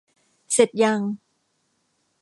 เสร็จยัง